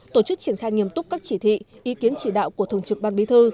tổ chức triển khai nghiêm túc các chỉ thị ý kiến chỉ đạo của thường trực ban bí thư